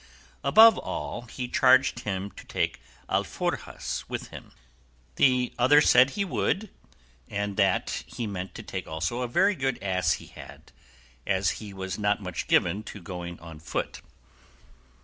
Above all, he charged him to take alforjas with him. The other said he would, and that he meant to take also a very good ass he had, as he was not much given to going on foot.